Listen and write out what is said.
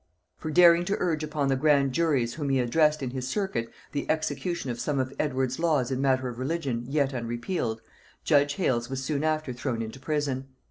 For daring to urge upon the grand juries whom he addressed in his circuit, the execution of some of Edward's laws in matter of religion, yet unrepealed, judge Hales was soon after thrown into prison.